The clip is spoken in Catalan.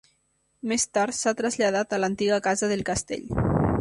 Més tard s'ha traslladat a l'antiga casa del castell.